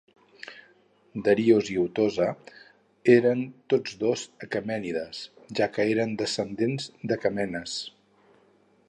Darius i Atossa eren tots dos aquemènides, ja que eren descendents d'Aquemenes.